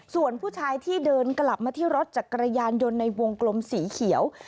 ส่วนผู้ชายที่เดินกลับมาที่รถจักรยานยนต์ในวงกลมสีเขียว